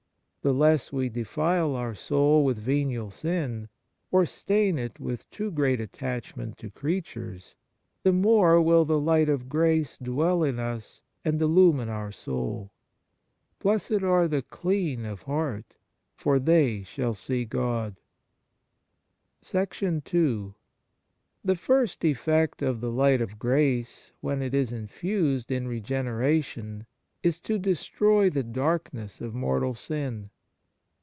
The less we defile our soul with venial sin, or stain it with too great attachment to creatures, the more will the light of grace dwell in us and illumine our soul. " Blessed are the clean of heart, for they shall see God." 11 THE first effect of the light of grace, when it is infused in regeneration, is to destroy the darkness of mortal sin.